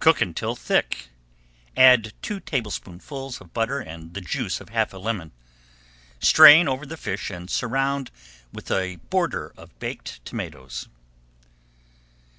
Cook until thick, add two tablespoonfuls of butter and the juice of half a lemon. Strain over the fish and surround with a border of baked tomatoes.